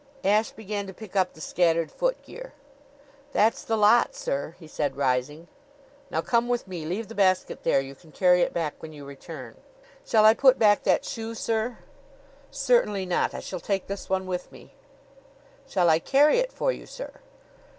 Ashe began to pick up the scattered footgear. "That's the lot, sir," he said, rising. "Now come with me. Leave the basket there. You can carry it back when you return." "Shall I put back that shoe, sir?" "Certainly not. I shall take this one with me." "Shall I carry it for you, sir?"